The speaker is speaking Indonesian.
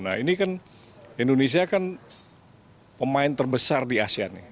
nah ini kan indonesia kan pemain terbesar di asean nih